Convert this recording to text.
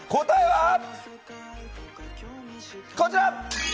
答えは。